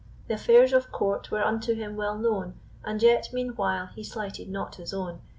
Th' affairs of court were unto him well known; And yet meanwhile he slighted not his own.